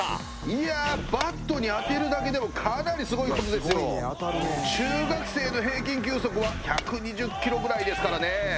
いやーバットに当てるだけでもかなりすごいことですよ中学生の平均球速は１２０キロぐらいですからね